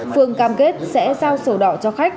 phương cam kết sẽ giao sổ đỏ cho khách